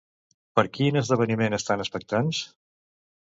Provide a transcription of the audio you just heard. Per quin esdeveniment estan expectants?